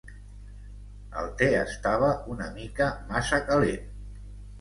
El te estava una mica massa calent.